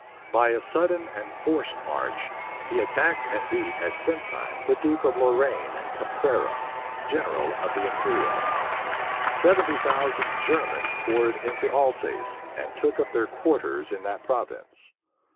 By a sudden and forced march, he attacked and beat at Sintzheim the duke of Lorraine and Caprara, general of the imperialists. Seventy thousand Germans poured into Alsace, and took up their quarters in that province.